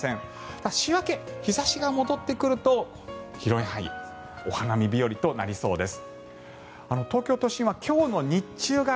ただ週明け日差しが戻ってくると広い範囲、お花見日和となりそうです。